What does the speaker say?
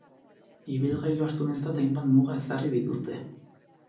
Ibilgailu astunentzat hainbat muga ezarri dituzte.